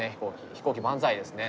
飛行機万歳ですね。